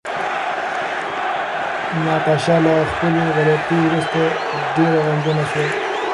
ناتاشا له خپلې غلطۍ وروسته ډېره غمجنه شوه.